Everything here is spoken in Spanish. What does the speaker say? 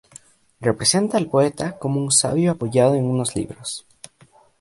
Representa al poeta como un sabio apoyado en unos libros.